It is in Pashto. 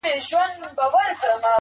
د خدای د عرش قهر د دواړو جهانونو زهر~